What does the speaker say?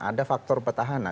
ada faktor petahana